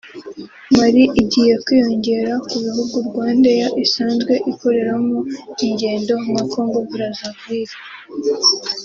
Mali igiye kwiyongera ku bihugu RwandAir isanzwe ikoreramo ingendo nka Congo Brazaville